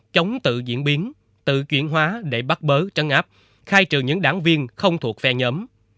chống tự diễn biến tự chuyển hóa để bắt bớ trắng áp khai trừ những đảng viên không thuộc phe nhóm